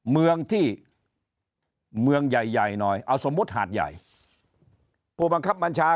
เมืองที่เมืองใหญ่ใหญ่หน่อยเอาสมมุติหาดใหญ่ผู้บังคับบัญชา